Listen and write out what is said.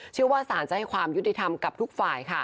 เชื่อว่าสารจะให้ความยุติธรรมกับทุกฝ่ายค่ะ